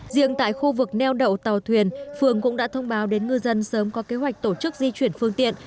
riêng tại khu vực neo đậu tàu thuyền phường cũng đã thông báo đến ngư dân sớm có kế hoạch tổ chức di chuyển phương tiện